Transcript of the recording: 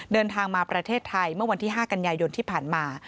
เดินทางมาประเทศไทยเมื่อวันที่๕กันยายนที่ผ่านมา